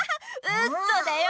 ウソだよ！